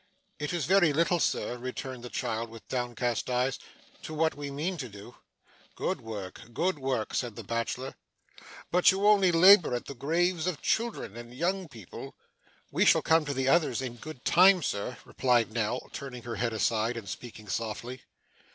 'It is very little, sir,' returned the child, with downcast eyes, 'to what we mean to do.' 'Good work, good work,' said the bachelor. 'But do you only labour at the graves of children, and young people?' 'We shall come to the others in good time, sir,' replied Nell, turning her head aside, and speaking softly.